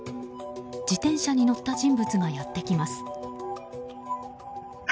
自転車に乗った人物がやってきます。